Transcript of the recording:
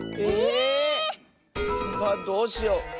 え⁉どうしよう。